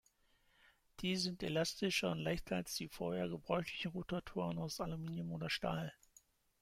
Diese sind elastischer und leichter als die vorher gebräuchlichen Rotoren aus Aluminium oder Stahl.